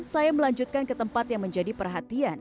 saya melanjutkan ke tempat yang menjadi perhatian